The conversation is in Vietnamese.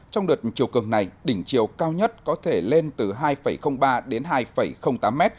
trong đợt chiều cường này đỉnh chiều cao nhất có thể lên từ hai ba m đến hai tám m